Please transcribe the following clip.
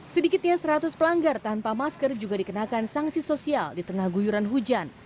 sedikitnya seratus pelanggar tanpa masker juga dikenakan sanksi sosial di tengah guyuran hujan